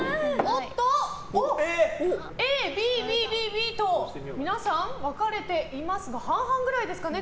Ａ、Ｂ、Ｂ、Ｂと皆さん分かれていますが半々ぐらいですかね